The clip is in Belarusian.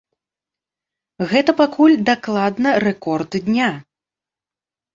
Гэта пакуль дакладна рэкорд дня.